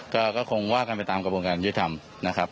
ก็คงว่ากันไปตามกระบวนการยุทธรรมนะครับ